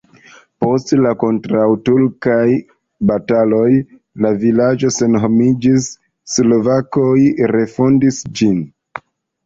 Post la kontraŭturkaj bataloj la vilaĝo senhomiĝis, slovakoj refondis ĝin.